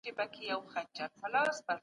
چاپیریال ساتنه له اقتصاد سره تړلې ده.